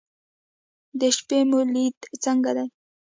د شپې مو لید څنګه دی؟